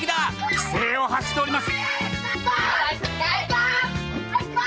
奇声を発しております。